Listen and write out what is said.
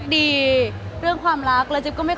คือบอกเลยว่าเป็นครั้งแรกในชีวิตจิ๊บนะ